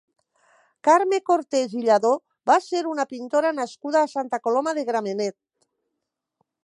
Carme Cortès i Lladó va ser una pintora nascuda a Santa Coloma de Gramenet.